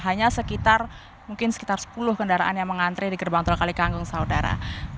hanya sekitar mungkin sekitar sepuluh kendaraan yang mengantri di gerbang tol kalikangkung saudara